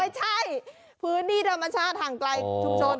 ไม่ใช่พื้นที่ธรรมชาติห่างไกลชุมชน